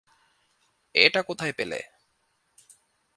এটা কোথায় পেলে?